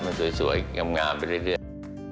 มันสวยงามไปเรื่อย